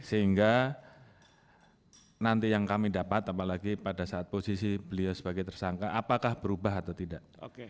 sehingga nanti yang kami dapat apalagi pada saat posisi beliau sebagai tersangka apakah berubah atau tidak